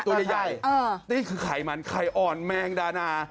ตัวใหญ่นี่คือไขมันไข่อ่อนแมงดานา